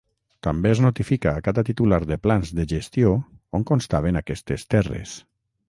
També es notifica a cada titular de plans de gestió on constaven aquestes terres.